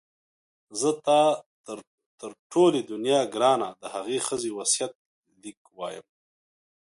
زه تا ته تر ټولې دنیا ګرانه د هغې ښځې وصیت لیک وایم.